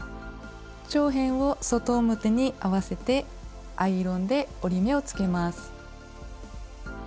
長辺を外表に合わせてアイロンで折り目をつけます。